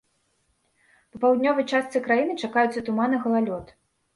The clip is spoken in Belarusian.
Па паўднёвай частцы краіны чакаюцца туман і галалёд.